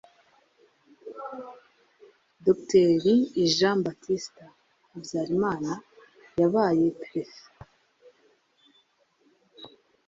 dr jean baptiste habyarimana yabaye perefe